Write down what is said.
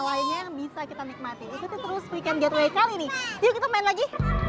lainnya yang bisa kita nikmati ikuti terus weekend getaway kali nih yuk kita main lagi